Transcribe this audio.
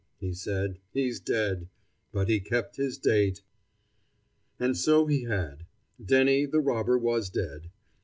he said, "he's dead. But he kept his date." And so he had. Denny the Robber was dead.